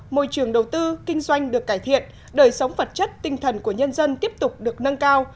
môi trường đầu tư kinh doanh được cải thiện đời sống vật chất tinh thần của nhân dân tiếp tục được nâng cao